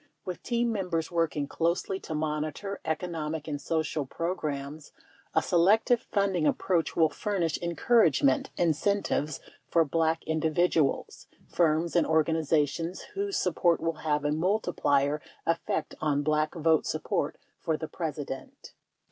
With team members working closely to monitor economic and social programs a selective funding ap proach will furnish encouragement incentives for Black in dividuals, firms and organizations whose support will have a multiplier effect on Black vote support for the President.